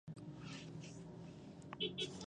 ته راسه پکتیکا ته چې زه سره درنه قربانه کړم.